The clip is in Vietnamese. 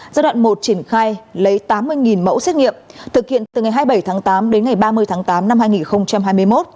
giai đoạn một triển khai lấy tám mươi mẫu xét nghiệm thực hiện từ ngày hai mươi bảy tháng tám đến ngày ba mươi tháng tám năm hai nghìn hai mươi một